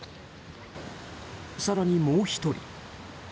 更に、もう１人。